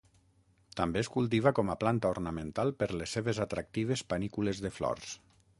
També es cultiva com a planta ornamental per les seves atractives panícules de flors.